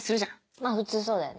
まぁ普通そうだよね。